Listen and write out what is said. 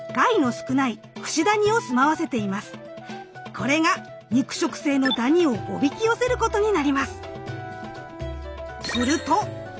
これが肉食性のダニをおびき寄せることになります。